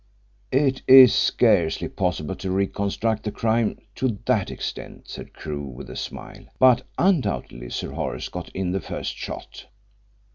"It is scarcely possible to reconstruct the crime to that extent," said Crewe with a smile. "But undoubtedly Sir Horace got in the first shot.